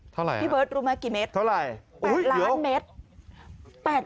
พี่เบิร์ดรู้ไหมกี่เม็ดเท่าไหร่๘ล้านเม็ด